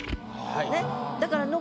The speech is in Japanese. ねっ。